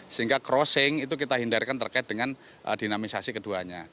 sehingga crossing itu kita hindarkan terkait dengan dinamisasi keduanya